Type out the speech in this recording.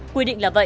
quy định là vậy